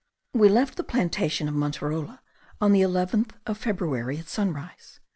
We left the plantation of Manterola on the 11th of February, at sunrise.